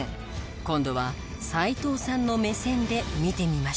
今度は斎藤さんの目線で見てみましょう。